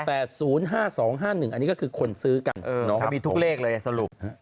อันนี้ก็คือคนซื้อกันมีทุกเลขเลยสรุป